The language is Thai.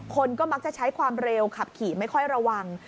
คนก็มักจะใช้ความเร็วขับขี่ไม่ค่อยระวัง